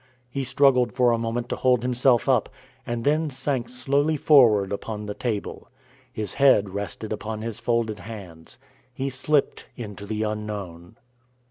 He struggled for a moment to hold himself up, and then sank slowly forward upon the table. His head rested upon his folded hands. He slipped into the unknown.